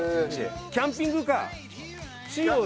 キャンピングカー仕様に。